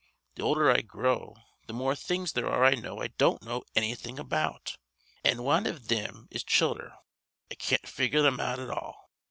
Th' older I grow th' more things there are I know I don't know annything about. An' wan iv thim is childher. I can't figure thim out at all.